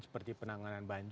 seperti penanganan barang